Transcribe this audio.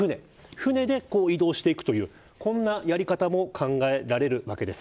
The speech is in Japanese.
船で移動していくというやり方も考えられるわけです。